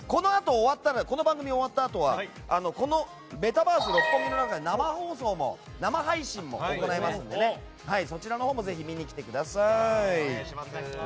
このあと番組が終わったあとはこのメタバース六本木の中で生配信も行いますのでそちらのほうもぜひ見に来てください。